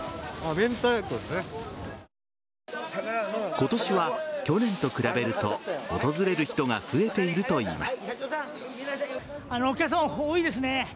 今年は去年と比べると訪れる人が増えているといいます。